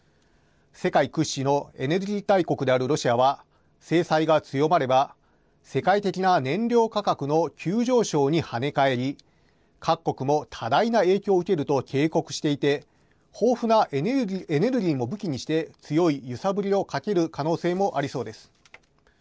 世界屈指のエネルギー大国であるロシアは制裁が強まれば世界的な燃料価格の急上昇に跳ね返り各国も多大な影響を受けると警告していて豊富なエネルギーも武器にして強い揺さぶりをかける可能性もありそうです。